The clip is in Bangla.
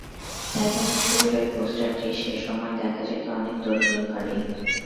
টাইটানিক ছবির ওই পোস্টারটি সে সময় দেখা যেত অনেক তরুণীর ঘরেই।